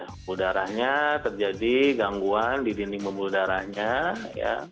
pembuluh udaranya terjadi gangguan di dinding pembuluh udaranya ya